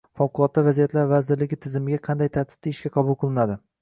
Favqulodda vaziyatlar vazirligi tizimiga qanday tartibda ishga qabul qilinadi?